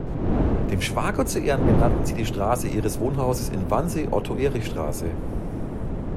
Dem Schwager zu Ehren benannten sie die Straße ihres Wohnhauses in Wannsee „Otto-Erich-Straße“.